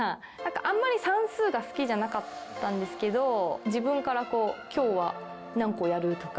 あんまり算数が好きじゃなかったんですけど、自分からきょうは何個やるとか。